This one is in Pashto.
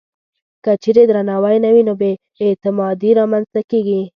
که چېرې درناوی نه وي، نو بې اعتمادي رامنځته کېږي.